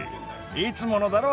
いつものだろ？